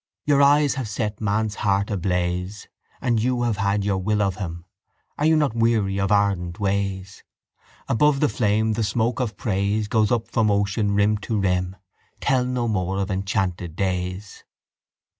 Your eyes have set man's heart ablaze And you have had your will of him. Are you not weary of ardent ways? Above the flame the smoke of praise Goes up from ocean rim to rim. Tell no more of enchanted days.